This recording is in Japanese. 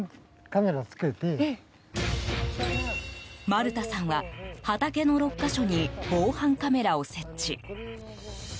丸田さんは、畑の６か所に防犯カメラを設置。